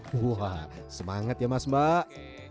wah semangat ya mas mbak